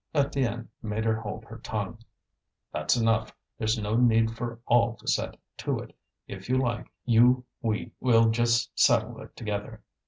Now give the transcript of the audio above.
Étienne made her hold her tongue. "That's enough. There's no need for all to set to it. If you like, you, we will just settle it together."